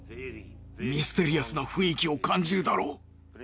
ミステリアスな雰囲気を感じるだろう？